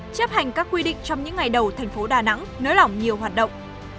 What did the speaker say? chấp hành các quy định trong những ngày đầu tp đà nẵng nới lỏng nhiều hoạt động